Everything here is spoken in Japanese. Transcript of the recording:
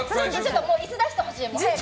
椅子出してほしい！